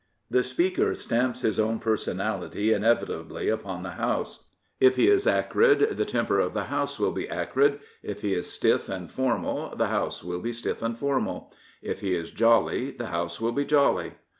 The Speaker stamps his own personality inevitably upon the House. If he is acdd, the temper of the House will be acrid; if he is stiff and formal, the House will be stiff and formal; if he is jolly, the House will be jolly.